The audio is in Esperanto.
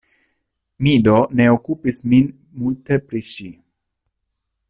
Mi do ne okupis min multe pri ŝi.